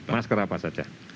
masker apa saja